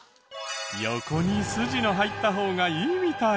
横にスジが入った方がいいみたい。